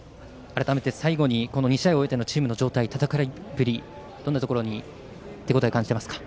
最後に、この２試合を終えてのチームの状態戦いぶり、どんなところに手応えを感じていますか。